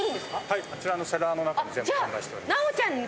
はいあちらのセラーの中に全部販売しております。